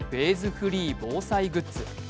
フリー防災グッズ。